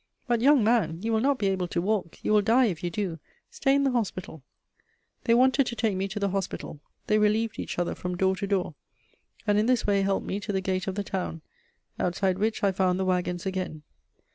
"But, young man, you will not be able to walk; you will die if you do; stay in the hospital." [Sidenote: The women of Namur.] They wanted to take me to the hospital, they relieved each other from door to door, and in this way helped me to the gate of the town, outside which I found the wagons again.